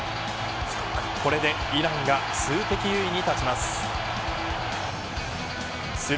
これでイランが数的優位に立ちます。